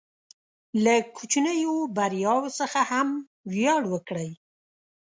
له کوچنیو بریاوو څخه هم ویاړ وکړئ.